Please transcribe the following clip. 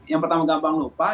yang pertama gampang lupa